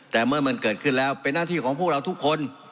แต่เมื่อมันเกิดขึ้นแล้วเป็นหน้าที่ของพวกเราทุกคน